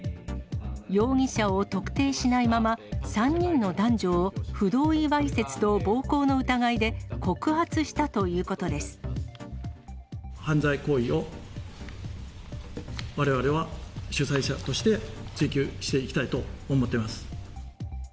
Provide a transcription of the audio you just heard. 容疑者を特定しないまま、３人の男女を不同意わいせつと暴行の疑いで告発したということで犯罪行為を、われわれは主催者として追及していきたいと思っています。